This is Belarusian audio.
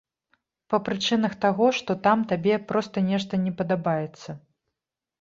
Па прычынах таго, што там табе проста нешта не падабаецца.